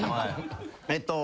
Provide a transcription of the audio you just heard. えっと